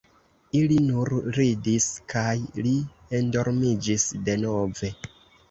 Ili nur ridis, kaj li endormiĝis denove.